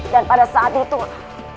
dan pada saat itulah